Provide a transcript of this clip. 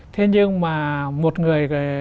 thế nhưng mà một người